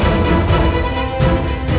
aku tidak akan membiarkan